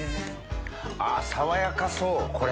爽やかそうこれ。